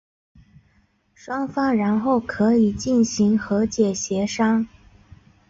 双方然后可以进行和解协商。